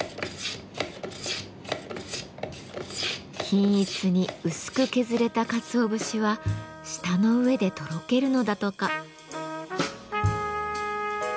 均一に薄く削れたかつお節は舌の上でとろけるのだとか。